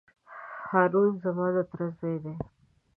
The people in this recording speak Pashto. هارون زما د تره زوی دی.